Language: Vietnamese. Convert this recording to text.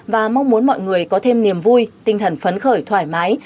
và mong muốn mọi người có thêm niềm vui tinh thần phấn khởi thoải mái